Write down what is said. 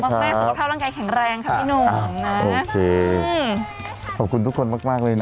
ขอบคุณทุกคนมากเลยนะ